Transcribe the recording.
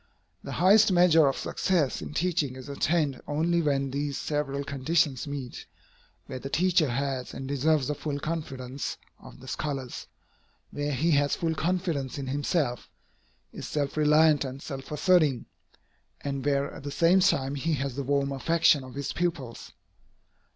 The highest measure of success in teaching is attained only where these several conditions meet, where the teacher has and deserves the full confidence of the scholars, where he has full confidence in himself, is self reliant and self asserting, and where at the same time he has the warm affection of his pupils.